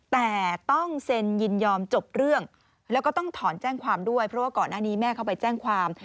แต่ต้องเซ็นยินยอมจบเรื่องแล้วก็ต้องถอนแจ้งความด้วยเพราะว่าก่อนหน้านี้แม่เขาไปแจ้งความ